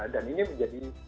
dan ini menjadi